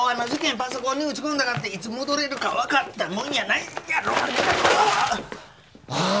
パソコンに打ち込んだかっていつ戻れるか分かったもんやないやろああ